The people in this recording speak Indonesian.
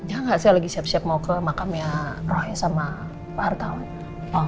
enggak sih saya lagi siap siap mau ke makamnya roy sama pak artawan